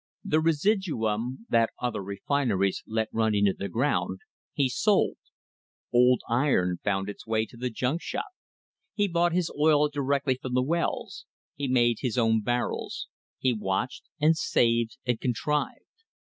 The residuum that other refineries let run into the ground, he sold. Old iron found its way to the junk shop. He bought his oil directly from the wells. He made his own barrels. He watched and ; saved and contrived.